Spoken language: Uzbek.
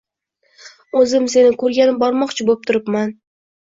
O‘zim seni ko‘rgani bormoqchi bo‘p turibman…